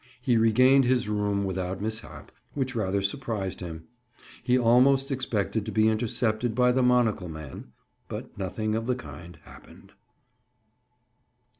He regained his room without mishap, which rather surprised him. He almost expected to be intercepted by the monocle man but nothing of the kind happened.